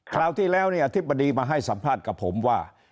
คราวที่แล้วเนี่ยอธิบดีมาให้สัมภาษณ์กับผมว่า